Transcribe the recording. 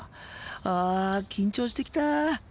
あ緊張してきた。